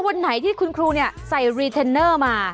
วันไหนที่คุณครูใส่รีเทนเนอร์มา